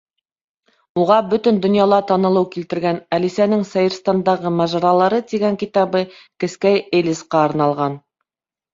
Уға бөтөн донъяла танылыу килтергән «Әлисәнең Сәйер- стандағы мажаралары» тигән китабы кескәй Элисҡа арналған.